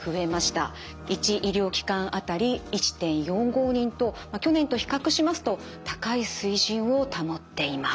１医療機関当たり１．４５人と去年と比較しますと高い水準を保っています。